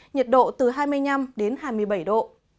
nhiệt độ từ hai mươi năm đến hai mươi bảy độ